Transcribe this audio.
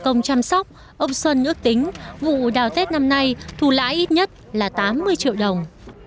trong trăm sóc ông xuân ước tính vụ đào tết năm nay thu lãi ít nhất là tám mươi triệu đồng